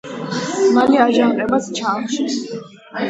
მალე აჯანყებაც ჩაახშეს.